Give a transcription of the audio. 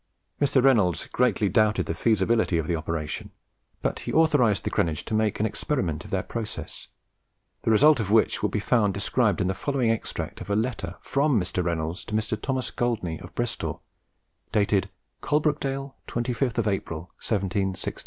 Mr. Reynolds greatly doubted the feasibility of the operation, but he authorized the Cranege, to make an experiment of their process, the result of which will be found described in the following extract of a letter from Mr. Reynolds to Mr. Thomas Goldney of Bristol, dated "Coalbrookdale, 25th April, 1766": ....